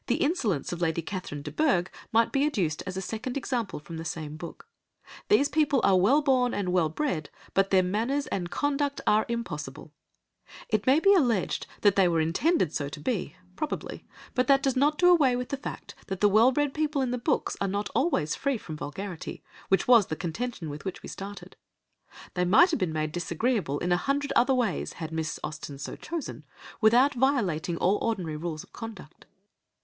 '" The insolence of Lady Catherine de Bourgh might be adduced as a second example from the same book. These people are well born and well bred, but their manners and conduct are impossible. It may be alleged that they were intended so to be. Probably; but that does not do away with the fact that the well bred people in the books are not always free from vulgarity, which was the contention with which we started. They might have been made disagreeable in a hundred other ways, had Miss Austen so chosen, without violating all ordinary rules of conduct.